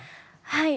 はい。